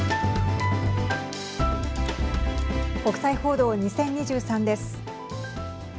国際報道２０２３です。